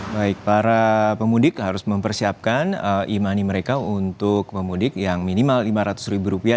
baik para pemudik harus mempersiapkan e money mereka untuk pemudik yang minimal lima ratus ribu rupiah